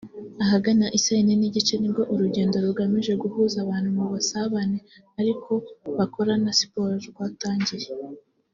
Ahagana i saa yine n’igice nibwo urugendo rugamije guhuza abantu mu busabane ariko bakora na siporo rwatangiye